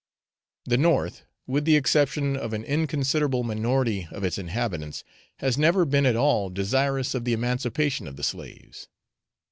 The North, with the exception of an inconsiderable minority of its inhabitants, has never been at all desirous of the emancipation of the slaves.